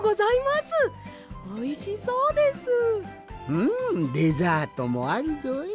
うんデザートもあるぞい。